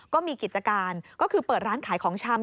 ก็มีกิจการก็คือเปิดร้านขายของชำ